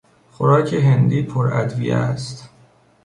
خوراک هندی پر ادویه است.